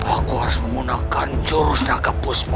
aku harus menggunakan jurus dagak puspa